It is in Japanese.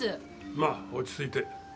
まあ落ち着いて。